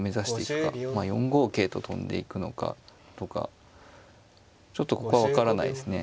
まあ４五桂と跳んでいくのかとかちょっとここは分からないですね。